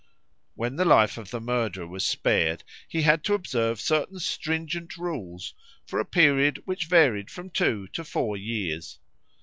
When the life of the murderer was spared, he had to observe certain stringent rules for a period which varied from two to four years.